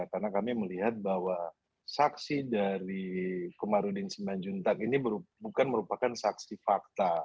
karena kami melihat bahwa saksi dari kamarudin siman juntak ini bukan merupakan saksi fakta